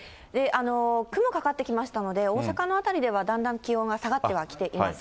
雲かかってきましたので、大阪の辺りでは、だんだん気温が下がってはきています。